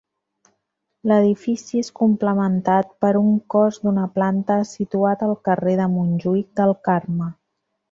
L'edifici és complementat per un cos d'una planta situat al carrer de Montjuïc del Carme.